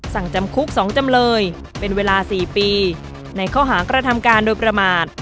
สั่งจำคุก๒จำเลยเป็นเวลา๔ปีในข้อหากระทำการโดยประมาท